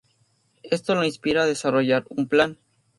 Esto lo inspira a desarrollar un plan.